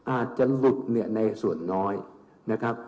อาจจะหลุดเนี่ยในส่วนน้อยนะครับ